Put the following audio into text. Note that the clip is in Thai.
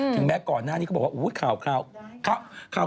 แม้ก่อนหน้านี้เขาบอกว่าอุ๊ยข่าว